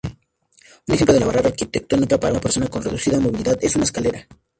Un ejemplo de barrera arquitectónica para una persona con reducida movilidad es una escalera.